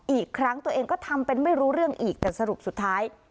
อีกครั้งตัวเองก็ทำเป็นไม่รู้เรื่องอีกแต่สรุปสุดท้าย